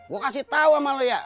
gue kasih tahu sama lo ya